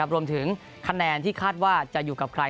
รวมถึงคะแนนที่คาดว่าจะอยู่กับใคร